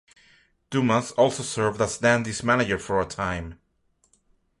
Dumas also served as Dandy's manager for a time.